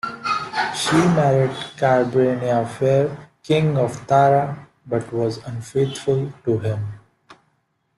She married Cairbre Nia Fer, king of Tara, but was unfaithful to him.